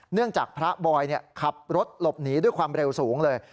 จากพระบอยขับรถหลบหนีด้วยความเร็วสูงเลย